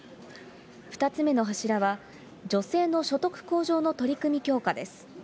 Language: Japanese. ２つ目の柱は、女性の所得向上の取り組み強化です。